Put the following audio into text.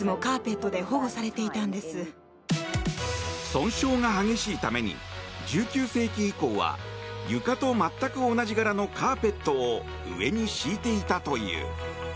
損傷が激しいために１９世紀以降は床と全く同じ柄のカーペットを上に敷いていたという。